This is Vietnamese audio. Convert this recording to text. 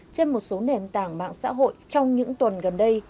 trên một số nền tảng mạng xã hội trong những tuần gần đây